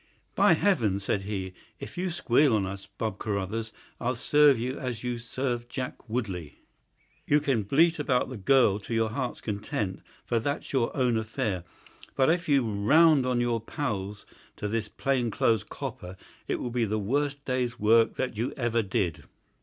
"By Heaven," said he, "if you squeal on us, Bob Carruthers, I'll serve you as you served Jack Woodley. You can bleat about the girl to your heart's content, for that's your own affair, but if you round on your pals to this plain clothes copper it will be the worst day's work that ever you did."